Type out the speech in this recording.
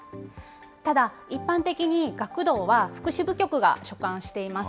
ただ、一般的に学童は福祉部局が所管しています。